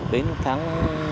đến tháng hai